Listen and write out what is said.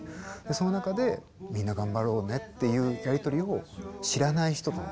その中でみんな頑張ろうねっていうやり取りを知らない人とできた。